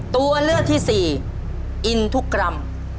ตัวเลือกที่สี่อินทุกกรรม